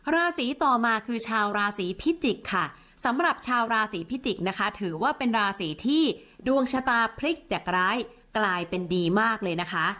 ราศีต่อมาคือชาวราศีพิจิกค่ะสำหรับชาวราศีพิจิกษ์นะคะถือว่าเป็นราศีที่ดวงชะตาพลิกจากร้ายกลายเป็นดีมากเลยนะคะ